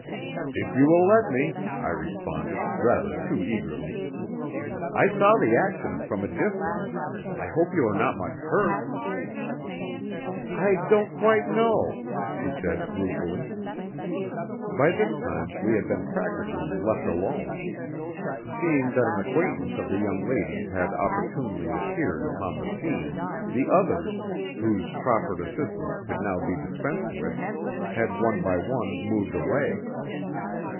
"If you will let me," I responded, rather too eagerly. "I saw the accident from a distance. I hope you are not much hurt." "I don't quite know," she said, ruefully. By this time we had been practically left alone. Seeing that an acquaintance of the young lady's had opportunely appeared upon the scene, the others, whose proffered assistance could now be dispensed with, had one by one moved away.